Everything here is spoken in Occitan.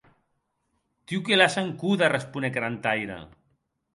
Tu que l’as en code, responec Grantaire.